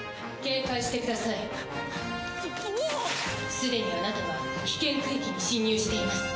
すでにあなたは危険区域に侵入しています。